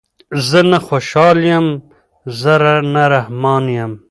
زه نه خوشحال یم زه نه رحمان یم